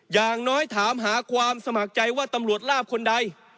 อย่างน้อยถามหาความสมัครใจว่าตำรวจลาบคนใด